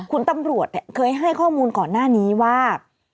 คุณตำรวจเคยให้ข้อมูลก่อนหน้านี้ว่า